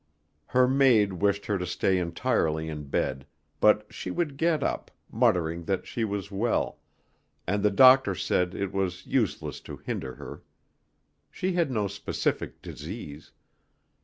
Her maid wished her to stay entirely in bed, but she would get up, muttering that she was well; and the doctor said it was useless to hinder her. She had no specific disease.